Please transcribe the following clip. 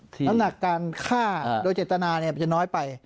น้ำหนักการฆ่าโดยเจตนามันจะน้อยไป